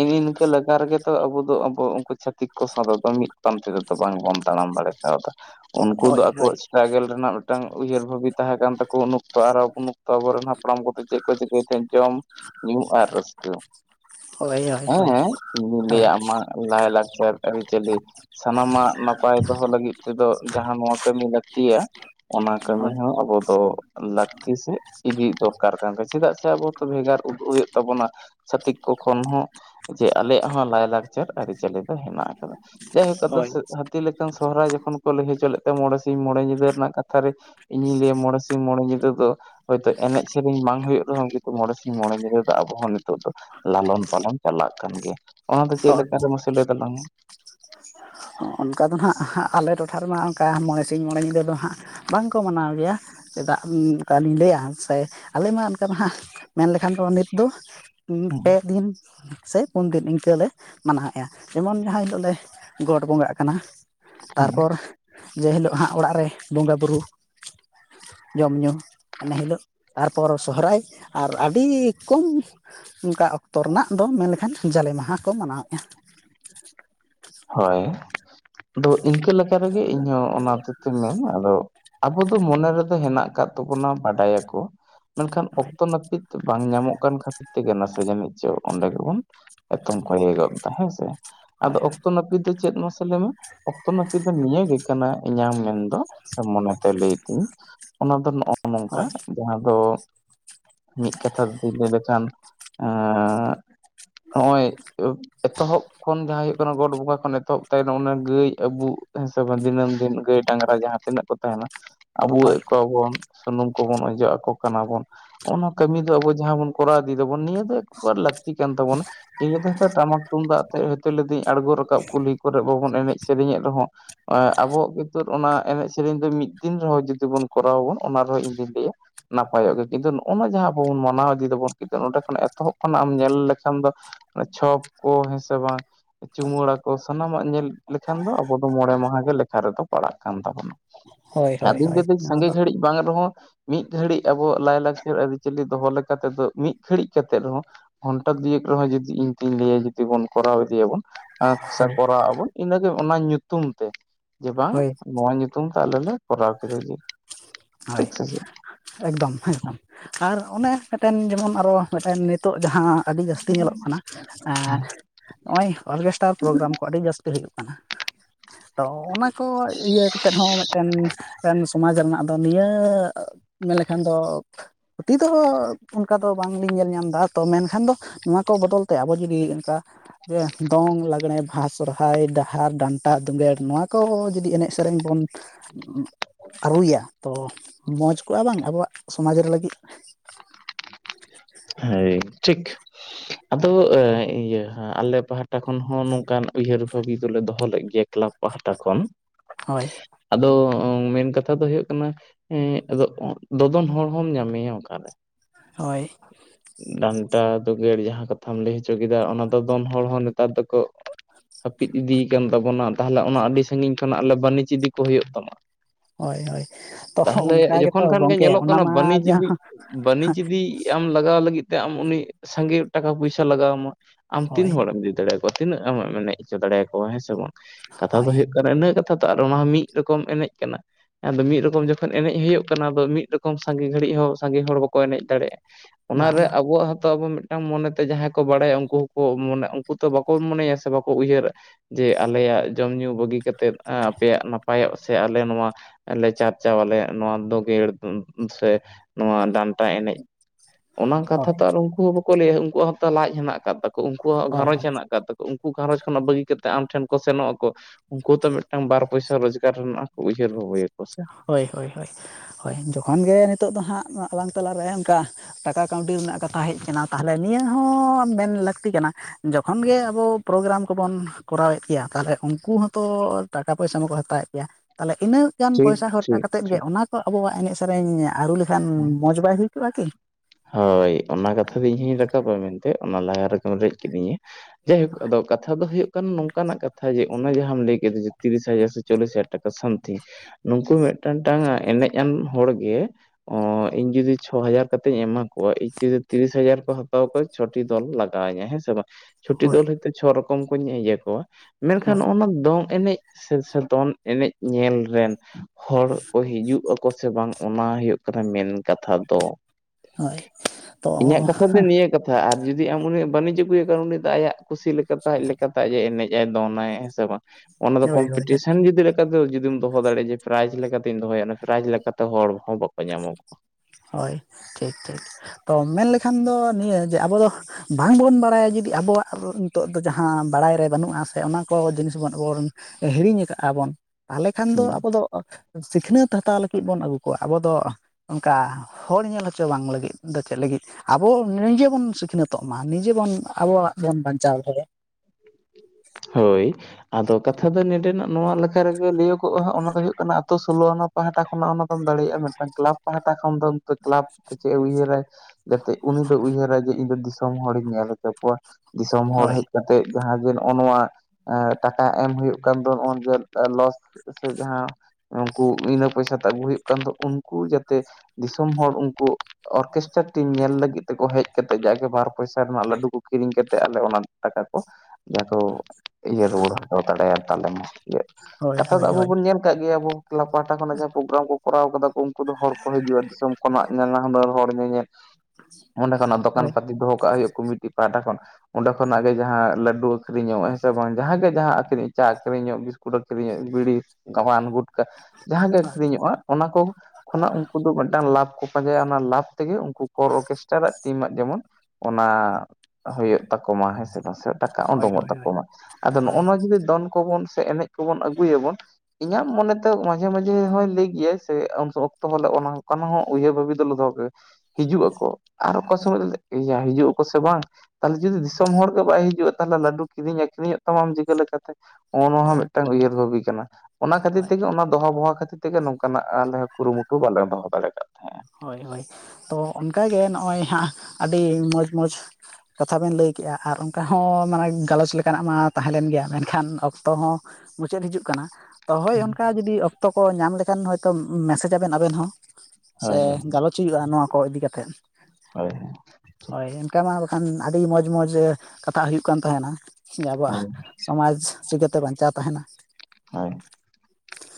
A: ᱤᱱ ᱤᱱᱠᱟᱹ ᱞᱟᱜᱟ ᱨᱮᱜᱮᱛᱚ ᱟᱵᱚ ᱫᱚ ᱟᱵᱚ ᱩᱱᱠᱩ ᱪᱷᱟᱹᱛᱤᱠ ᱠᱚ ᱥᱟᱣ ᱫᱚ ᱢᱤᱫ ᱯᱟᱱᱛᱮ ᱛᱮᱫᱚ ᱵᱟᱝ ᱵᱚᱱ ᱛᱟᱲᱟᱢ ᱫᱟᱲᱮ ᱠᱟᱣᱫᱟ ᱩᱱᱠᱩ ᱫᱚ
B: ᱦᱳᱭ ᱦᱳᱭ
A: ᱟᱠᱚᱣᱟᱜ ᱮᱥᱴᱨᱟᱜᱮᱞ ᱨᱮᱱᱟᱜ ᱢᱤᱫᱴᱟᱝ ᱩᱭᱦᱟᱹᱨ ᱵᱷᱟᱵᱤ ᱛᱟᱦᱮᱸ ᱠᱟᱱ ᱛᱟᱠᱚ ᱱᱩᱠᱩ ᱟᱨ ᱟᱵᱚ ᱱᱩᱜ ᱛᱚ ᱟᱵᱚᱨᱮᱱ ᱦᱟᱯᱲᱟᱢ ᱠᱚᱫᱚ ᱪᱮᱫ ᱠᱚ ᱪᱤᱠᱟᱹᱭ ᱛᱟᱦᱮᱸᱫ ᱡᱚᱢ ᱧᱩ ᱟᱨ ᱨᱟᱹᱥᱠᱟᱹ
B: ᱦᱳᱭ ᱦᱳᱭ ᱦᱳᱭ
A: ᱦᱮᱸ ᱤᱧᱫᱩᱧ
B: ᱦᱳᱭ
A: ᱞᱟᱹᱭᱟ ᱟᱢᱟᱜ ᱞᱟᱭ ᱞᱟᱠᱪᱟᱨ ᱟᱹᱨᱤᱪᱟᱹᱞᱤ ᱥᱟᱱᱟᱢᱟᱜ ᱱᱟ ᱵᱟᱭ ᱫᱚᱦᱚ ᱞᱟᱹᱜᱤᱫ ᱛᱮᱫᱚ ᱡᱟᱦᱟᱸ ᱱᱚᱣᱟ ᱠᱟᱹᱢᱤ ᱞᱟᱹᱠᱛᱤᱭᱟ ᱚᱱᱟ ᱠᱟᱹᱢᱤ
B: ᱦᱳᱭ
A: ᱦᱚᱸ ᱟᱵᱚ ᱫᱚ ᱞᱟᱹᱠᱛᱤ ᱥᱮᱫ ᱤᱫᱤᱜ ᱫᱚᱨᱠᱟᱨ ᱠᱟᱱ ᱛᱟᱭ ᱪᱮᱫᱟᱜ ᱥᱮ ᱟᱵᱚ ᱛᱚ ᱵᱷᱮᱜᱟᱨ ᱩᱫᱩᱜ ᱦᱩᱭᱩᱜ ᱛᱟᱵᱚᱱᱟ ᱪᱷᱟᱹᱛᱤᱠ ᱠᱚ ᱠᱷᱚᱱ ᱦᱚᱸ ᱡᱮ ᱟᱞᱮᱭᱟᱜ ᱦᱚᱸ ᱞᱟᱭ ᱞᱟᱠᱪᱟᱨ ᱟᱹᱨᱤᱪᱟᱹᱞᱤ ᱫᱚ ᱦᱮᱱᱟᱜ ᱟᱠᱟᱫᱟ ᱡᱟᱭᱦᱳᱠ ᱟᱫᱚ
B: ᱦᱳᱭ
A: ᱦᱟᱹᱛᱤ ᱞᱮᱠᱟᱱ ᱥᱚᱦᱨᱟᱭ ᱡᱚᱠᱷᱚᱱ ᱠᱚ ᱞᱟᱹᱭ ᱦᱚᱪᱚ ᱞᱮᱫ ᱛᱮ ᱢᱚᱬᱮ ᱥᱤᱧ ᱢᱚᱬᱮ ᱧᱤᱫᱟᱹ ᱨᱮᱱᱟᱜ ᱠᱟᱛᱷᱟ ᱨᱮ ᱤᱧᱤᱧ ᱞᱟᱹᱭᱟ ᱢᱚᱬᱮ ᱥᱤᱧ ᱢᱚᱬᱮ ᱧᱤᱫᱟᱹ ᱫᱚ ᱦᱚᱭᱛᱚ ᱮᱱᱮᱡ ᱥᱮᱨᱮᱧ ᱵᱟᱝ ᱦᱩᱭᱩᱜ ᱨᱮᱦᱚᱸ ᱠᱤᱱᱛᱩ ᱢᱚᱬᱮ ᱥᱤᱧ ᱢᱚᱬᱮ ᱧᱤᱫᱟᱹ ᱫᱚ ᱟᱵᱚ ᱦᱚᱸ ᱱᱤᱛᱚᱜ ᱫᱚ ᱞᱟᱞᱚᱱ ᱯᱟᱞᱚᱱ ᱪᱟᱞᱟᱜ ᱠᱟᱱ ᱜᱮᱭᱟ ᱚᱱᱟ ᱫᱚ ᱪᱮᱫ
B: ᱦᱳᱭ
A: ᱞᱮᱠᱟ ᱨᱮ ᱢᱟᱥᱮ ᱞᱟᱹᱭ ᱛᱟᱞᱟᱝ ᱢᱮ
B: ᱚᱱᱠᱟ ᱫᱚᱱᱦᱟᱸᱜ ᱦᱟᱸᱜ ᱟᱞᱮ ᱴᱚᱴᱷᱟ ᱨᱮᱢᱟ ᱚᱱᱠᱟ ᱢᱚᱬᱮ ᱥᱤᱧ ᱢᱚᱬᱮ ᱧᱤᱫᱟᱹ ᱫᱚ ᱦᱟᱸᱜ ᱵᱟᱝᱠᱚ ᱢᱟᱱᱟᱣ ᱜᱮᱭᱟ ᱪᱮᱫᱟᱜ ᱚᱱᱠᱟ ᱞᱤᱧ ᱞᱟᱹᱭᱟ ᱥᱮ ᱟᱞᱮ ᱢᱟ ᱚᱱᱠᱟ ᱢᱟ ᱱᱟᱦᱟᱜ ᱢᱮᱱ ᱞᱮᱠᱷᱟᱱ ᱫᱚ ᱱᱤᱛ ᱫᱚ ᱯᱮ ᱫᱤᱱ ᱥᱮᱫ ᱯᱩᱱ ᱫᱤᱱ ᱤᱱᱠᱟᱹ ᱞᱮ ᱢᱟᱱᱟᱣᱮᱫᱼᱟ ᱡᱮᱢᱚᱱ ᱡᱟᱦᱟᱸ ᱦᱤᱞᱳᱜ ᱞᱮ ᱜᱚᱴ ᱵᱚᱸᱜᱟᱜ ᱠᱟᱱᱟ
A: ᱢᱮ
B: ᱛᱟᱨᱯᱚᱨ ᱡᱮ ᱦᱤᱞᱚᱜ ᱦᱟᱸᱜ ᱚᱲᱟᱜ ᱨᱮ ᱵᱚᱸᱜᱟ ᱵᱩᱨᱩ ᱡᱚᱢ ᱧᱩᱜ ᱤᱱᱮ ᱦᱤᱞᱚᱜ ᱛᱟᱨᱯᱚᱨ ᱥᱚᱦᱨᱟᱭ ᱟᱨ ᱟᱹᱰᱤ ᱠᱚᱢ ᱚᱱᱠᱟ ᱚᱠᱛᱚ ᱨᱮᱱᱟᱜ ᱫᱚ ᱢᱮᱱ ᱞᱮᱠᱷᱟᱱ ᱡᱟᱞᱮ ᱢᱟᱦᱟ ᱠᱚ ᱢᱟᱱᱟᱣᱮᱫᱼᱟ
A: ᱦᱚᱭ ᱫᱚ ᱤᱱᱠᱟᱹ ᱞᱮᱠᱟ ᱨᱮᱜᱮ ᱤᱧᱦᱚᱸ ᱚᱱᱟ ᱦᱚᱛᱮᱛᱮ ᱢᱮᱱᱟ ᱟᱫᱚ ᱟᱵᱚ ᱫᱚ ᱢᱚᱱᱮ ᱨᱮᱫᱚ ᱦᱮᱱᱟᱜ ᱟᱠᱟᱫ ᱛᱟᱵᱚᱱᱟ ᱵᱟᱰᱟᱭᱟᱠᱚ ᱢᱮᱱᱠᱷᱟᱱ
B: ᱦᱳᱭ
A: ᱚᱠᱛᱚ ᱱᱟᱹᱯᱤᱛ ᱵᱟᱝ ᱧᱟᱢᱚᱜ ᱠᱟᱱ ᱠᱷᱟᱹᱛᱤᱨ ᱛᱮᱜᱮ ᱱᱟᱥᱮ ᱡᱟᱹᱱᱤᱡ ᱪᱚ ᱚᱸᱰᱮ ᱜᱮᱵᱚᱱ ᱮᱛᱚᱢ ᱠᱚᱭᱮ ᱜᱚᱫ ᱫᱟ ᱦᱮᱸᱥᱮ ᱟᱫᱚ
B: ᱦᱳᱭ
A: ᱚᱠᱛᱚ ᱱᱟᱹᱯᱤᱛ ᱫᱚ ᱪᱮᱫ ᱢᱟᱥᱟ ᱞᱟᱹᱭ ᱢᱮ ᱚᱠᱛᱚ ᱱᱟᱹᱯᱤᱛ ᱫᱚ ᱱᱤᱭᱟᱹ ᱜᱮ ᱠᱟᱱᱟ ᱤᱧᱟᱝ ᱢᱮᱱᱫᱚ ᱥᱮ ᱢᱚᱱᱮᱛᱮ ᱞᱟᱹᱭ ᱛᱤᱧ ᱚᱱᱟ ᱫᱚ ᱱᱚᱜᱼᱚ ᱱᱚᱝᱠᱟ
B: ᱦᱳᱭ
A: ᱡᱟᱦᱟᱸ ᱫᱚ ᱢᱤᱫ ᱠᱟᱛᱷᱟ ᱞᱟᱹᱭ ᱞᱮᱠᱷᱟᱱ ᱱᱚᱜᱼᱚᱭ ᱮᱛᱚᱦᱚᱵ ᱠᱷᱚᱱ ᱡᱟᱦᱟᱸᱭ ᱜᱚᱴ ᱵᱚᱸᱜᱟ ᱠᱷᱚᱱ ᱮᱛᱚᱦᱚᱵ ᱛᱟᱭ ᱜᱟᱹᱭ ᱟᱵᱩᱜ ᱦᱮᱸ ᱥᱮ ᱵᱟᱝ ᱫᱤᱱᱟᱹᱢ ᱫᱤᱱ ᱜᱟᱹᱭ ᱰᱟᱝᱨᱟ ᱡᱟᱦᱟᱸ ᱛᱤᱱᱟᱹᱜ ᱠᱚ ᱛᱟᱦᱮᱱᱟ
B: ᱦᱳᱭ
A: ᱟᱵᱩᱭᱮᱫ ᱠᱚᱣᱟ ᱵᱚᱱ ᱥᱩᱱᱩᱢ ᱠᱚᱵᱚᱱ ᱚᱡᱚᱜ ᱟᱠᱚ ᱠᱟᱱᱟ ᱵᱚᱱ ᱚᱱᱟ ᱠᱟᱹᱢᱤ ᱫᱚ ᱟᱵᱚ ᱡᱟᱦᱟᱸ ᱵᱚᱱ ᱠᱚᱨᱟᱣ ᱤᱫᱤᱭ ᱫᱟᱵᱚᱱ ᱱᱤᱭᱟᱹ ᱫᱚ ᱮᱠᱵᱟᱨ ᱞ ᱞᱟᱹᱠᱛᱤ ᱠᱟᱱ ᱛᱟᱵᱚᱱᱟ ᱤᱧ ᱢᱟ ᱴᱟᱢᱟᱠ ᱛᱩᱢᱫᱟᱜ ᱟᱛᱮ ᱦᱚᱭᱛᱚ ᱞᱮᱭ ᱫᱤᱧ ᱟᱲᱜᱚ ᱨᱟᱠᱟᱵ ᱠᱩᱞᱦᱤ ᱠᱚᱨᱮᱜ ᱵᱟᱵᱚᱱ ᱮᱱᱮᱡ ᱥᱮᱨᱮᱧ ᱮᱫ ᱨᱮᱦᱚᱸ ᱟᱵᱚᱣᱟᱜ ᱠᱤᱱᱛᱩ ᱚᱱᱟ ᱮᱱᱮᱡ ᱥᱮᱨᱮᱧ ᱫᱚ ᱢᱤᱫ ᱫᱤᱱ ᱨᱮᱦᱚᱸ ᱡᱩᱫᱤ ᱵᱚᱱ ᱠᱚᱨᱟᱣ ᱟᱵᱚᱱ ᱚᱱᱟ ᱨᱮᱦᱚᱸ ᱤᱧᱫᱩᱧ ᱞᱟᱹᱭᱟ ᱱᱟᱯᱟᱭᱚᱜ ᱜᱮ ᱠᱤᱱᱛᱩ ᱱᱚᱜᱼᱚ ᱱᱚᱣᱟ ᱡᱟᱦᱟᱸ ᱟᱵᱚ ᱵᱚᱱ ᱢᱟᱱᱟᱣ ᱤᱫᱤᱭ ᱫᱟᱵᱚᱱ ᱠᱤᱱᱛᱩ ᱱᱚᱰᱮ ᱠᱷᱚᱱᱟᱜ ᱮᱛᱚᱦᱚᱵ ᱠᱷᱚᱱᱟᱜ ᱮᱢ ᱧᱮᱞ ᱞᱮᱠᱷᱟᱱ ᱫᱚ ᱚᱱᱟ ᱪᱷᱚᱯ ᱠᱚ ᱦᱮᱸ ᱥᱮ ᱵᱟᱝ ᱪᱩᱢᱟᱹᱲᱟ ᱠᱚ ᱥᱟᱱᱟᱢᱟᱜ ᱧᱮᱞ ᱞᱮᱠᱷᱟᱱ ᱫᱚ ᱟᱵᱚ ᱫᱚ ᱢᱚᱬᱮ ᱢᱟᱦᱟ ᱜᱮ ᱞᱮᱠᱷᱟ ᱨᱮ ᱫᱚ ᱯᱟᱲᱟᱜ ᱠᱟᱱ ᱛᱟᱵᱚᱱᱟ
B: ᱦᱳᱭ ᱦᱳᱭ
A: ᱟᱹᱫᱤᱱ
B: ᱦᱳᱭ
A: ᱡᱚᱫᱤ
B: ᱱᱚᱣᱟ
A: ᱥᱟᱸᱜᱮ
B: ᱫᱚ
A: ᱜᱷᱟᱹᱲᱤᱡ ᱵᱟᱝ ᱨᱮ ᱦᱚᱸ ᱢᱤᱫ ᱜᱷᱟᱹᱲᱤᱡ ᱟᱵᱚᱣᱟᱜ ᱞᱟᱭ-ᱞᱟᱠᱪᱟᱨ ᱟᱹᱨᱤ-ᱪᱟᱹᱞᱤ ᱫᱚᱦᱚ ᱞᱮᱠᱟ ᱛᱮᱫᱚ ᱢᱤᱫ ᱜᱷᱟᱹᱲᱤᱡ ᱠᱟᱛᱮᱫ ᱨᱮ ᱦᱚᱸ ᱜᱷᱚᱱᱴᱟ ᱫᱤᱭᱮᱠ ᱨᱮᱦᱚᱸ ᱡᱩᱫᱤ ᱤᱧ ᱛᱤᱧ ᱞᱟᱹᱭᱟ ᱡᱩᱫᱤ ᱵᱚᱱ ᱠᱚᱨᱟᱣ ᱤᱫᱤᱭᱟᱵᱚᱱ
B: ᱦᱳᱭ
A: ᱠᱚᱨᱟᱣ ᱟᱵᱚᱱ ᱤᱱᱟᱹᱜᱮ ᱚᱱᱟ ᱧᱩᱛᱩᱢ ᱛᱮ ᱡᱮ ᱵᱟᱝ
B: ᱦᱳᱭ
A: ᱱᱚᱣᱟ ᱧᱩᱛᱩᱢ ᱛᱟᱞᱮ ᱞᱮ ᱠᱚᱨᱟᱣ ᱠᱮᱫ ᱡᱮ
B: ᱦᱳᱭ
A: ᱴᱷᱤᱠ ᱥᱮ ᱪᱮᱫ
B: ᱮᱠᱫᱚᱢ ᱮᱠᱫᱚᱢ ᱟᱨ ᱚᱱᱮ ᱢᱤᱫ ᱴᱮᱱ ᱡᱮᱢᱚᱱ ᱟᱨᱚ ᱢᱤᱫ ᱴᱮᱱ ᱱᱤᱛ ᱱᱤᱛᱚᱜ ᱡᱟᱦᱟᱸ ᱟᱹᱰᱤ ᱡᱟᱹᱥᱛᱤ ᱧᱮᱞᱚᱜ ᱠᱟᱱᱟ ᱱᱚᱜᱼᱚᱭ ᱚᱨᱜᱮᱥᱴᱟᱨ ᱯᱨᱳᱜᱨᱟᱢ ᱠᱚ ᱟᱹᱰᱤ ᱡᱟᱹᱥᱛᱤ ᱦᱩᱭᱩᱜ ᱠᱟᱱᱟ᱾ ᱛᱚ ᱚᱱᱟ ᱠᱚ ᱤᱭᱟᱹ ᱠᱟᱛᱮ ᱦᱚᱸ ᱢᱤᱫ ᱴᱮᱱ ᱥᱚᱢᱟᱡᱽ ᱨᱮᱱᱟᱜ ᱟᱫᱚ ᱱᱤᱭᱟᱹ ᱢᱮᱱ ᱞᱮᱠᱷᱟᱱ ᱫᱚ ᱠᱷᱩᱛᱤ ᱫᱚ ᱚᱱᱠᱟ ᱫᱚ ᱵᱟᱝ ᱞᱤᱧ ᱧᱮᱞ ᱧᱟᱢ ᱮᱫᱟ ᱛᱚ ᱢᱮᱱᱠᱷᱟᱱ ᱫᱚ ᱱᱚᱣᱟ ᱠᱚ ᱵᱚᱫᱚᱞ ᱛᱮ ᱟᱵᱚ ᱡᱩᱫᱤ ᱚᱱᱠᱟ ᱫᱚᱝ ᱞᱟᱜᱽᱲᱮ ᱵᱟᱦᱟ ᱥᱚᱨᱦᱟᱭ ᱰᱟᱦᱟᱨ ᱰᱟᱱᱴᱟ ᱫᱚᱸᱜᱮᱲ ᱱᱚᱣᱟ ᱠᱚ ᱡᱩᱫᱤ ᱮᱱᱮᱡ ᱥᱮᱨᱮᱧ ᱵᱚᱱ ᱟᱨᱩᱭᱟ ᱛᱚ ᱢᱚᱡᱽ ᱠᱚᱜᱼᱟ ᱵᱟᱝ ᱟᱵᱚᱣᱟᱜ ᱥᱚᱢᱟᱡᱽ ᱨᱮ ᱞᱟᱹᱜᱤᱫ
A: ᱦᱮᱸ ᱴᱷᱤᱠ᱾ ᱟᱫᱚ ᱤᱭᱟᱹ ᱟᱞᱮ ᱯᱟᱦᱴᱟ ᱠᱷᱚᱱ ᱦᱚᱸ ᱱᱚᱝᱠᱟᱱ ᱩᱭᱦᱟᱹᱨ ᱵᱷᱟᱹᱵᱤ ᱫᱚᱞᱮ ᱫᱚᱦᱚ ᱞᱮᱫ ᱜᱮᱭᱟ ᱠᱞᱟᱵᱽ ᱯᱟᱦᱴᱟ ᱠᱷᱚᱱ
B: ᱦᱳᱭ
A: ᱟᱫᱚ ᱢᱮᱱ ᱠᱟᱛᱷᱟ ᱫᱚ ᱦᱩᱭᱩᱜ ᱠᱟᱱᱟ ᱦᱮᱸ ᱟᱫᱚ ᱫᱚᱫᱚᱱ ᱦᱚᱲ ᱦᱚᱢ ᱧᱟᱢᱮᱭᱟ ᱚᱠᱟ ᱨᱮ
B: ᱦᱳᱭ
A: ᱰᱟᱱᱴᱟ ᱫᱩᱸᱜᱮᱲ ᱡᱟᱦᱟᱸ ᱠᱟᱛᱷᱟᱢ ᱞᱟᱹᱭ ᱦᱚᱪᱚ ᱠᱮᱫᱟ ᱚᱱᱟ ᱫᱚ ᱫᱚᱱ ᱦᱚᱲ ᱦᱚᱸ ᱱᱮᱛᱟᱨ ᱫᱚ ᱠᱚ ᱦᱟᱹᱯᱤᱫ ᱤᱫᱤᱭᱟᱠᱟᱱ ᱛᱟᱵᱚᱱᱟ ᱛᱟᱦᱚᱞᱮ ᱚᱱᱟ ᱟᱹᱰᱤ ᱥᱟᱺᱜᱤᱧ ᱠᱷᱚᱱᱟᱜ ᱛᱟᱦᱟᱞᱮ ᱵᱟᱹᱱᱤᱡᱽ ᱤᱫᱤ ᱠᱚ ᱦᱩᱭᱩᱜ ᱛᱟᱢᱟ
B: ᱦᱳᱭ ᱦᱳᱭ ᱛᱚ
A: ᱛᱟᱦᱞᱮ
B: ᱚᱱᱠᱟ ᱜᱮᱛᱚ
A: ᱡᱚᱠᱷᱚᱱ ᱠᱷᱟᱱ ᱜᱮ
B: ᱜᱚᱝᱠᱮ
A: ᱧᱮᱞᱚᱜ
B: ᱚᱱᱟ
A: ᱠᱟᱱᱟ
B: ᱢᱟ
A: ᱵᱟᱹᱱᱤᱪ
B: ᱡᱟᱦᱟᱸ
A: ᱤᱫᱤ ᱵᱟᱹᱱᱤᱪ ᱤᱫᱤ ᱟᱢ ᱞᱟᱜᱟᱣ ᱞᱟᱹᱜᱤᱫ ᱛᱮ ᱟᱢ ᱩᱱᱤ ᱥᱟᱸᱜᱮ ᱴᱟᱠᱟ ᱯᱚᱭᱥᱟ ᱞᱟᱜᱟᱣ ᱟᱢᱟ ᱛᱤᱱ
B: ᱦᱳᱭ
A: ᱦᱚᱲᱮᱢ ᱤᱫᱤ ᱫᱟᱲᱮᱭᱟᱣᱟ ᱛᱤᱱᱟᱹᱜ ᱟᱢᱮᱢ ᱮᱱᱮᱡ ᱦᱚᱪᱚ ᱫᱟᱲᱮᱭᱟᱠᱚᱣᱟ ᱦᱮᱸ ᱥᱮ ᱵᱟᱝ ᱠᱟᱛᱷᱟ
B: ᱦᱳᱭ
A: ᱫᱚ ᱦᱩᱭᱩᱜ ᱤᱱᱟᱹ ᱠᱟᱛᱷᱟ ᱛᱚ ᱟᱨ ᱚᱱᱟ ᱦᱚᱸ ᱢᱤᱫ ᱨᱚᱠᱚᱢ ᱮᱱᱮᱡ ᱠᱟᱱᱟ ᱟᱫᱚ ᱢᱤᱫ ᱨᱚᱠᱚᱢ ᱡᱚᱠᱷᱚᱱ ᱮᱱᱮᱡ ᱦᱩᱭᱩᱜ ᱠᱟᱱᱟ᱾ᱟᱫᱚ ᱢᱤᱫ ᱨᱚᱠᱚᱢ ᱥᱟᱸᱜᱮ ᱜᱷᱟᱹᱲᱤᱡ ᱦᱚᱸ ᱥᱟᱸᱜᱮ ᱦᱚᱲ ᱵᱟᱠᱚ ᱮᱱᱮᱡ ᱫᱟᱲᱮᱜᱼᱟ᱾ ᱚᱱᱟ
B: ᱵᱟᱝ
A: ᱨᱮ
B: ᱵᱟᱝ
A: ᱟᱵᱚᱣᱟᱜ ᱦᱚᱸᱛᱚ ᱟᱵᱚ ᱢᱤᱫ ᱢᱤᱫᱴᱟᱝ ᱢᱚᱱᱮᱛᱮ ᱡᱟᱦᱟᱸᱭ ᱠᱚ ᱵᱟᱲᱟᱭᱟ ᱩᱱᱠᱩ ᱦᱚᱸᱠᱚ ᱢᱚᱱᱮ ᱩᱱᱠᱩ ᱛᱚ ᱵᱟᱠᱚ ᱢᱚᱱᱮᱭᱟ ᱥᱮ ᱵᱟᱠᱚ ᱩᱭᱦᱟᱹᱨᱟ ᱡᱮ ᱟᱞᱮᱭᱟᱜ ᱡᱚᱢ ᱧᱩᱩ ᱵᱟᱹᱜᱤ ᱠᱟ ᱠᱟᱛᱮᱫ, ᱟᱯᱮᱭᱟᱜ ᱱᱟᱯᱟᱭᱚᱜ ᱥᱮ ᱟᱞᱮ ᱱᱚᱣᱟ ᱞᱮ ᱪᱟᱨᱪᱟᱣ ᱟᱞᱮ ᱱᱚᱣᱟ ᱫᱚᱜᱮᱲ ᱥᱮ ᱱᱚᱣᱟ ᱰᱟᱱᱴᱟ ᱮᱱᱮᱡ ᱚᱱᱟ ᱠᱟᱛᱷᱟ
B: ᱦᱳᱭ
A: ᱛᱚ ᱟᱨ ᱩᱱᱠᱩ ᱦᱚᱸ ᱵᱟᱠᱚ ᱞᱟᱹᱭᱟ ᱩᱱᱠᱩᱣᱟᱜ ᱦᱚᱸᱛᱚ ᱞᱟᱡ ᱦᱮᱱᱟᱜ ᱟᱠᱟᱫ ᱛᱠᱚᱣᱟ ᱩᱱᱠᱩᱣᱟᱜ
B: ᱦᱳᱭ
A: ᱜᱷᱟᱸᱨᱚᱡᱽ ᱦᱮᱱᱟᱜ ᱠᱟᱫ ᱛᱟᱠᱚᱣᱟ ᱩᱱᱠᱩ ᱜᱷᱟᱨᱚᱸᱡᱽ ᱠᱷᱚᱱᱟᱜ ᱵᱟᱹᱜᱤ ᱠᱟᱛᱮ ᱟᱢ ᱴᱷᱮᱱ ᱠᱚ ᱥᱮᱱᱚᱜ ᱟᱠᱚ ᱩᱱᱠᱩ ᱛᱚ ᱢᱤᱫᱴᱟᱝ ᱵᱟᱨ ᱯᱚᱭᱥᱟ ᱨᱳᱡᱽᱜᱟᱨ ᱨᱮᱱᱟᱜ ᱠᱚ ᱩᱭᱦᱟᱹᱨ ᱵᱷᱟᱵᱤᱭᱟᱠᱚ ᱥᱮ,
B: ᱦᱳᱭ ᱦᱳᱭ ᱦᱳᱭ ᱡᱚᱠᱷᱚᱱ ᱜᱮ ᱱᱤᱛᱚᱜ ᱫᱚ ᱦᱟᱸᱜ ᱟᱞᱟᱝ ᱛᱟᱞᱟ ᱨᱮ ᱚᱱᱠᱟ ᱴᱟᱠᱟ ᱠᱟᱹᱣᱰᱤ ᱨᱮᱱᱟᱜ ᱠᱟᱛᱷᱟ ᱦᱮᱡ ᱠᱟᱱᱟ, ᱛᱟᱦᱚᱞᱮ ᱱᱤᱭᱟᱹ ᱦᱚᱸ ᱢᱮᱱ ᱞᱟᱹᱠᱛᱤ ᱠᱟᱱᱟ ᱡᱚᱠᱷᱚᱱ ᱜᱮ ᱟᱵᱚ ᱯᱨᱳᱜᱨᱟᱢ ᱠᱚᱵᱚᱱ ᱠᱚᱨᱟᱣ ᱮᱫ ᱜᱮᱭᱟ ᱛᱟᱦᱚᱞᱮ ᱩᱱᱠᱩ ᱦᱚᱸ ᱛᱚ ᱴᱟᱠᱟ ᱯᱚᱭᱥᱟ ᱢᱟᱠᱚ ᱦᱟᱛᱟᱣ ᱮᱫ ᱜᱮᱭᱟ ᱛᱟᱦᱚᱞᱮ ᱤᱱᱟᱹᱜ ᱜᱟᱱ
A: ᱴᱷᱤᱠ
B: ᱯᱚᱭᱥᱟ ᱠᱷᱚᱨᱪᱟ
A: ᱴᱷᱤᱠ
B: ᱠᱟᱛᱮᱫ ᱜᱮ
A: ᱴᱷᱤᱠ
B: ᱚᱱᱟ ᱟᱵᱚᱣᱟᱜ ᱮᱱᱮᱡ ᱥᱮᱨᱮᱧ ᱟᱹᱨᱩ ᱞᱮᱠᱷᱟᱱ
A: ᱦᱮᱸ
B: ᱢᱚᱡᱽ ᱵᱟᱭ ᱦᱩᱭ ᱠᱚᱜᱼᱟ ᱠᱤ?
A: ᱦᱳᱭ ᱚᱱᱟ ᱠᱟᱛᱷᱟ ᱫᱚ ᱤᱧ ᱦᱚᱧ ᱨᱟᱠᱟᱵᱟ ᱢᱮᱱᱛᱮ ᱚᱱᱟ ᱞᱟᱦᱟ ᱨᱮᱜᱮᱢ ᱨᱮᱡ ᱠᱤᱫᱤᱧᱟ, ᱡᱟᱭᱦᱳᱠ ᱟᱫᱚ ᱠᱟᱛᱷᱟ ᱫᱚ ᱦᱩᱭᱩᱜ ᱠᱟᱱᱟ ᱱᱚᱝ ᱠᱟᱱᱟᱜ ᱠᱟᱛᱷᱟ ᱡᱮ ᱚᱱᱟ ᱡᱟᱦᱟᱸᱟᱢ ᱞᱟᱹᱭ ᱠᱮᱫᱟ ᱛᱤᱨᱤᱥ ᱦᱟᱡᱟᱨ ᱥᱮ ᱪᱚᱞᱞᱤᱥ ᱦᱟᱡᱟᱨ ᱴᱟᱠᱟ ᱥᱟᱢᱛᱷᱤᱝ ᱱᱩᱠᱩ ᱢᱤᱫᱴᱟᱝ ᱴᱟᱝ ᱮᱱᱮᱡ ᱟᱱ ᱦᱚᱲ ᱜᱮ ᱚᱸ ᱤᱧ ᱡᱩᱫᱤ ᱪᱷᱚ ᱦᱟᱡᱟᱨ ᱠᱟᱛᱮ ᱛᱮᱧ ᱮᱢᱟ ᱠᱚᱣᱟ ᱤᱛᱤ ᱛᱤᱨᱤᱥ ᱦᱟᱡᱟᱨ ᱠᱚ ᱦᱟᱛᱟᱣ ᱠᱚᱣᱟ ᱪᱷᱚᱴᱤ ᱫᱚᱞ ᱞᱟᱜᱟᱣ ᱤᱧᱟᱹ ᱦᱮᱸ ᱥᱮ ᱵᱟᱝ ᱪᱷᱚᱴᱤ
B: ᱦᱳᱭ
A: ᱫᱚᱞ ᱦᱚᱭᱛᱚ ᱪᱷᱚ ᱨᱚᱠᱚᱢ ᱠᱚᱧ ᱤᱭᱟᱹ ᱠᱚᱣᱟ ᱢᱮᱱᱠᱷᱟᱱ
B: ᱦᱳᱭ
A: ᱚᱱᱟ ᱫᱚᱝ ᱮᱱᱮᱡ ᱥᱮ ᱥᱮᱫ ᱫᱚᱱ ᱮᱱᱮᱡ ᱧᱮᱞ ᱨᱮᱱ ᱦᱚᱲ ᱠᱚ ᱦᱤᱡᱩᱜ ᱟᱠᱚ ᱥᱮ ᱵᱟᱝ ᱚᱱᱟ ᱦᱩᱭᱩᱜ ᱠᱟᱱᱟ ᱢᱮᱱ ᱠᱟᱛᱷᱟ ᱫᱚ?
B: ᱦᱳᱭ ᱛᱚ
A: ᱤᱧᱟᱜ ᱠᱟᱛᱷᱟ ᱫᱚ ᱱᱤᱭᱟᱹ ᱠᱟᱛᱷᱟ ᱟᱨ ᱡᱩᱫᱤ ᱟᱢ ᱩᱱᱤᱢ ᱵᱟᱹᱱᱤᱡᱽ ᱟᱹᱜᱩᱭᱮ ᱠᱟᱱ ᱩᱱᱤ ᱫᱚ ᱟᱭᱟᱜ ᱠᱩᱥᱤ ᱞᱮᱠᱟᱛᱮ ᱟᱡ ᱞᱮᱠᱟᱛᱮ ᱟᱡ ᱮ ᱮᱱᱮᱡᱟᱭ ᱫᱚᱱᱟᱭ ᱦᱮᱸ ᱥᱮ ᱵᱟᱝ? ᱚᱱᱟ ᱫᱚ
B: ᱦᱳᱭ ᱦᱳᱭ
A: ᱠᱚᱢᱯᱤᱴᱤᱥᱮᱱ ᱡᱩᱫᱤ ᱞᱮᱠᱟᱛᱮ ᱡᱩᱫᱤᱢ ᱫᱚᱦᱚ ᱫᱟᱲᱮᱭᱟᱜ ᱡᱮ ᱯᱨᱟᱭᱤᱡᱽ ᱞᱮᱠᱟᱛᱮᱧ ᱫᱚᱦᱚᱭᱟ ᱯᱨᱟᱭᱤᱡ ᱞᱮᱠᱟᱛᱮ ᱦᱚᱲ ᱦᱚᱸ ᱵᱟᱠᱚ ᱧᱟᱢᱚᱜ-ᱟ,
B: ᱦᱳᱭ ᱴᱷᱤᱠ ᱴᱷᱤᱠ ᱛᱚ ᱢᱮᱱ ᱞᱮᱠᱷᱟᱱ ᱫᱚ ᱱᱤᱭᱟᱹ ᱡᱮ ᱟᱵᱚ ᱫᱚ ᱵᱟᱝ ᱵᱚᱱ ᱵᱟᱲᱟᱭᱟ ᱡᱩᱫᱤ ᱟᱵᱚᱣᱟᱜ ᱱᱤᱛᱚᱜ ᱫᱚ ᱡᱟᱦᱟᱸ ᱵᱟᱲᱟᱭ ᱨᱮ ᱵᱟᱹᱱᱩᱜᱼᱟ ᱥᱮ ᱚᱱᱟ ᱠᱚ ᱡᱤᱱᱤᱥ ᱵᱚᱱ ᱚᱨ ᱦᱤᱲᱤᱧ ᱠᱟᱜᱼᱟ ᱵᱚᱱ ᱛᱟᱦᱚᱞᱮ ᱠᱷᱟᱱ ᱫᱚ ᱟᱵᱚ ᱫᱚ ᱥᱤᱠᱷᱱᱟᱹᱛ ᱦᱟᱛᱟᱣ ᱞᱟᱹᱜᱤᱫ ᱵᱚᱱ ᱟᱹᱜᱩ ᱠᱚᱣᱟ᱾ᱟᱵᱚ ᱫᱚ ᱚᱱᱠᱟ ᱦᱚᱲ ᱧᱮᱞ ᱦᱚᱪᱚ ᱵᱟᱝ ᱞᱟᱹᱜᱤᱫ ᱫᱚ ᱪᱮᱫ ᱞᱟᱹᱜᱤᱫ? ᱟᱵᱚ ᱱᱤᱡᱮ ᱵᱚᱱ ᱥᱤᱠᱷᱱᱟᱹᱛ ᱚᱜ ᱢᱟ ᱱᱤᱡᱮ ᱵᱚᱱ ᱟᱵᱚᱣᱟᱜ ᱵᱚᱱ ᱵᱟᱧᱪᱟᱣ ᱫᱟᱲᱮ
A: ᱦᱳᱭ ᱟᱫᱚ ᱠᱟᱛᱷᱟ ᱫᱚ ᱱᱮᱰᱮᱱᱟᱜ ᱱᱚᱣᱟ ᱞᱮᱠᱷᱟ ᱨᱮᱜᱮ ᱞᱟᱹᱭᱚᱜᱼᱟ ᱦᱟᱸᱜ ᱚᱱᱟ ᱫᱚ ᱦᱩᱭᱩᱜ ᱠᱟᱱᱟ ᱟᱛᱳ ᱥᱳᱞᱳ ᱟᱱᱟ ᱯᱟᱦᱟᱴᱟ ᱠᱷᱚᱱᱟᱜ ᱚᱱᱟ ᱫᱚᱢ ᱫᱟᱲᱮᱭᱟᱜᱼᱟ ᱢᱤᱫᱴᱟᱝ ᱠᱨᱞᱟᱵᱽ ᱯᱟᱦᱴᱟ ᱠᱷᱚᱱ ᱫᱚ ᱠᱮᱞᱟᱵᱽ ᱫᱚ ᱪᱮᱫ ᱩᱭᱦᱟᱹᱨᱟᱭ ᱡᱟᱛᱮ ᱩᱱᱤ ᱫᱚ ᱩᱭᱦᱟᱹᱨᱟᱭ ᱡᱮ ᱤᱧ ᱫᱚ ᱫᱤᱥᱚᱢ ᱦᱚᱲᱤᱧ ᱧᱮᱞ ᱦᱚᱪᱚ ᱠᱚᱣᱟ, ᱫᱤᱥᱚᱢ ᱦᱚᱲ
B: ᱦᱳᱭ
A: ᱦᱮᱡ ᱠᱟᱛᱮᱜ ᱡᱟᱦᱟᱸ ᱜᱮ ᱱᱚᱜ-ᱚᱭ ᱱᱚᱣᱟ ᱴᱟᱠᱟ ᱮᱢ ᱦᱩᱭᱩᱜ ᱠᱟᱱ ᱫᱚ ᱱᱚᱜ-ᱚᱭ ᱡᱮ ᱞᱚᱥ ᱥᱮ ᱡᱟᱸᱦᱟ ᱩᱱᱠᱩ ᱵᱤᱱᱟᱹ ᱯᱚᱭᱥᱟ ᱛᱮ ᱟᱹᱜᱩ ᱦᱩᱭᱩᱜ ᱠᱟᱱ ᱫᱚ ᱩᱱᱠᱩ ᱡᱟᱛᱮ ᱫᱤᱥᱚᱢ ᱦᱚᱲ ᱩᱱᱠᱩ ᱚᱨᱠᱮᱥᱴ ᱪᱟ ᱴᱤᱢ ᱧᱮᱞ ᱞᱟᱹᱜᱤᱫ ᱛᱮᱠᱚ ᱦᱮᱡ ᱠᱟᱛᱮᱜ ᱜᱮ ᱟᱜᱮ ᱵᱟᱨ ᱯᱚᱭᱥᱟ ᱨᱮᱱᱟᱜ ᱞᱟᱹᱰᱩ ᱠᱚ ᱠᱤᱨᱤᱧ ᱠᱟᱛᱮ ᱟᱞᱮ ᱚᱱᱟ ᱴᱟᱠᱟ ᱡᱟᱦᱟ ᱫᱚ ᱤᱭᱟᱹ ᱨᱩᱣᱟᱹᱲ ᱦᱟᱛᱟᱣ ᱫᱟᱲᱮᱭᱟ ᱛᱟᱞᱮ ᱢᱟ
B: ᱦᱳᱭ
A: ᱠᱟᱛᱷᱟ ᱫᱚ
B: ᱦᱳᱭ
A: ᱟᱵᱚ
B: ᱦᱳᱭ
A: ᱵᱚᱱ ᱧᱮᱞ ᱟᱠᱟᱜ ᱜᱮᱭᱟ ᱵᱚ ᱠᱮᱞᱟᱵᱽ ᱯᱟᱦᱟᱴᱟ ᱠᱷᱚᱱᱟᱜ ᱡᱟᱦᱟᱸ ᱯᱨᱳᱜᱨᱟᱢ ᱠᱚ ᱠᱚᱨᱟᱣ ᱠᱟᱫᱟ ᱠᱩ ᱩᱱᱠᱩ ᱫᱚ ᱦᱚᱲ ᱠᱚ ᱦᱤᱡᱩᱜᱼᱟ ᱫᱤᱥᱚᱢ ᱠᱷᱚᱱᱟᱜ ᱧᱮᱞᱟᱝ ᱦᱩᱱᱟᱹᱨ ᱦᱚᱲ ᱧᱮᱧᱮᱞ, ᱚᱸᱰᱮ ᱠᱷᱚᱱᱟᱜ ᱫᱚᱠᱟᱱ
B: ᱦᱳᱭ
A: ᱯᱟᱹᱛᱤ ᱫᱚᱦᱚ ᱠᱟᱜ ᱦᱩᱭᱩᱜ-ᱟ, ᱠᱚᱢᱤᱴᱤ ᱯᱟᱦᱟᱴᱟ ᱠᱷᱚᱱ ᱚᱸᱰᱮ ᱠᱷᱚᱱᱟᱜ ᱜᱮ ᱡᱟᱦᱟᱸ ᱞᱟᱹᱰᱩ ᱟᱹᱠᱷᱨᱤᱧ ᱚᱜ ᱦᱮᱸ ᱥᱮ ᱵᱟᱝ ᱡᱟᱦᱟ ᱜᱮ ᱡᱟᱦᱟᱸ ᱟᱹᱠᱷᱨᱤᱧ ᱚᱜ ᱪᱟ ᱟᱹᱠᱷᱨᱤᱧ ᱚᱜ ᱵᱤᱥᱠᱩᱴ ᱟᱹᱠᱷᱨᱤᱧ ᱚᱜ ᱵᱤᱲᱤ ᱜᱟᱣᱟᱱ ᱜᱩᱴᱠᱟᱹ ᱡᱟᱦᱟᱸ ᱜᱮ ᱟᱹᱠᱷᱨᱤᱧᱚᱜᱼᱟ ᱚᱱᱟ ᱠᱚ ᱠᱷᱚᱱᱟᱜ ᱩᱱᱠᱩ ᱫᱚ ᱢᱤᱫᱴᱟᱝ ᱞᱟᱵᱷ ᱠᱚ, ᱯᱟᱸᱡᱟᱭᱟ ᱚᱱᱟ ᱞᱟᱵᱷ ᱛᱮᱜᱮ ᱩᱱᱠᱩ ᱯᱚᱨ ᱚᱨᱠᱮᱥᱴᱟᱨᱟᱜ ᱴᱤᱢᱟᱜ ᱡᱮᱢᱚᱱ ᱚᱱᱟ ᱦᱩᱭᱩᱜ ᱛᱟᱠᱚᱢᱟ ᱦᱮᱸ ᱥᱮ, ᱥᱮ ᱴᱟᱠᱟ
B: ᱦᱳᱭ
A: ᱩᱰᱩᱠᱚᱜ
B: ᱦᱳᱭ ᱦᱳᱭ
A: ᱛᱟᱠᱚ
B: ᱦᱳᱭ
A: ᱢᱟ ᱟᱫᱚ ᱱᱚᱜᱼᱚ
B: ᱦᱳᱭ
A: ᱱᱚᱣᱟ ᱡᱩᱫᱤ ᱫᱚᱱ ᱠᱚᱵᱚᱱ ᱥᱮ ᱮᱱᱮᱡ ᱠᱚᱵᱚᱱ ᱟᱹᱜᱩᱭᱟ ᱵᱚᱱ ᱤᱧᱟᱹᱜ ᱢᱚᱱᱮ ᱛᱮ ᱢᱟᱡᱷᱮ ᱢᱟᱡᱷᱮ ᱦᱚᱭ ᱞᱟᱹᱭ ᱜᱮᱭᱟᱭ ᱥᱮ ᱩᱱᱥ ᱚᱠᱛᱚ ᱦᱚᱸ ᱞᱮ ᱚᱱᱟ ᱚᱱᱠᱟ ᱱᱟᱜ ᱦᱚᱸ ᱩᱭᱦᱟᱹᱨ ᱵᱷᱟᱵᱤ ᱫᱚᱞᱮ ᱫᱚᱦᱚ ᱠᱚ ᱦᱤᱡᱩᱜ ᱟᱠᱚ ᱟᱨ ᱚᱠᱟ ᱥᱚᱢᱚᱭ ᱫᱚ ᱮᱭᱟ ᱦᱤᱡᱩᱜ ᱟᱠᱚ ᱥᱮ ᱵᱟᱝ ᱛᱟᱦᱚᱞᱮ ᱡᱩᱫᱤ ᱫᱤᱥᱚᱢ ᱦᱚᱲᱜᱮ ᱵᱟᱭ ᱦᱤᱡᱩᱜᱼᱟ, ᱛᱟᱦᱚᱞᱮ ᱞᱟᱹᱰᱩ ᱠᱤᱨᱤᱧ ᱟᱹᱠᱷᱨᱤᱧ ᱚᱜ ᱛᱟᱢᱟ ᱟᱢ ᱪᱤᱠᱟᱹ ᱞᱮᱠᱟᱛᱮ, ᱱᱚᱜᱼᱚᱭ ᱱᱚᱣᱟ ᱦᱚᱸ
B: ᱦᱳᱭ
A: ᱢᱤᱫᱴᱟᱝ ᱩᱭᱦᱟᱹᱨ ᱵᱷᱟᱹᱵᱤ ᱠᱟᱱᱟ᱾ ᱚᱱᱟ ᱠᱷᱟᱹᱛᱤᱨ ᱛᱮᱜᱮ ᱚᱱᱟ ᱫᱚᱦᱟ ᱵᱚᱦᱟ ᱠᱷᱟᱹᱛᱤᱨ ᱛᱮᱜᱮ ᱱᱚᱝᱠᱟᱱᱟᱜ ᱟᱞᱮ ᱦᱚᱸ ᱠᱩᱨᱩ ᱢᱩᱴᱩ ᱵᱟᱞᱮ ᱫᱚᱦᱚ ᱫᱟᱲᱮ ᱟᱠᱟᱫ ᱛᱟᱦᱮᱸᱫ-ᱟ
B: ᱦᱳᱭ ᱦᱳᱭ ᱛᱚ ᱚᱱᱠᱟᱜᱮ ᱱᱚᱜᱼᱚᱭ ᱦᱟᱸᱜ ᱟᱹᱰᱤ ᱢᱚᱡᱽ ᱢᱚᱡᱽ ᱠᱟᱛᱷᱟ ᱵᱮᱱ ᱞᱟᱹᱭ ᱠᱮᱜᱼᱟ ᱟᱨ ᱚᱱᱠᱟ ᱦᱚᱸ ᱢᱟᱱᱮ ᱜᱟᱞᱚᱪ ᱞᱮᱠᱟᱱᱟᱜ ᱢᱟ ᱛᱟᱦᱮᱸ ᱞᱮᱱ ᱜᱮᱭᱟ ᱢᱮᱱᱠᱷᱟᱱ ᱚᱠᱛᱚ ᱦᱚᱸ ᱢᱩᱪᱟᱹᱫ ᱦᱤᱡᱩᱜ ᱠᱟᱱᱟ ᱛᱚ ᱦᱳᱭ ᱚᱱᱠᱟ ᱡᱩᱫᱤ ᱚᱠᱛᱚ ᱠᱚ ᱧᱟᱢ ᱞᱮᱠᱷᱟᱱ ᱦᱚᱭᱛᱚ ᱢᱮᱥᱮᱡ ᱟᱵᱮᱱ ᱟᱵᱮᱱ ᱦᱚᱸ ᱥᱮ
A: ᱦᱳᱭ ᱦᱳᱭ
B: ᱜᱟᱞᱚᱪ ᱦᱩᱭᱩᱜᱼᱟ ᱱᱚᱣᱟ ᱠᱚ ᱤᱫᱤ ᱠᱟᱛᱮᱫ,
A: ᱦᱳᱭ ᱴᱷᱤᱠ
B: ᱦᱳᱭ ᱤᱱᱠᱟᱹ ᱢᱟ ᱵᱟᱠᱷᱟᱱ ᱟᱹᱰᱤ ᱢᱚᱡᱽ ᱢᱚᱡᱽ ᱠᱟᱛᱷᱟ ᱦᱩᱭᱩᱜ ᱠᱟᱱ ᱛᱟᱦᱮᱱᱟ᱾ ᱟᱵᱚᱣᱟᱜ
A: ᱦᱳᱭ
B: ᱥᱚᱢᱟᱡᱽ ᱪᱤᱠᱟᱹᱛᱮ ᱵᱟᱧᱪᱟᱣ ᱛᱟᱦᱮᱱᱟ
A: ᱦᱟᱭ,